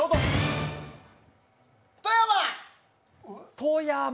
富山！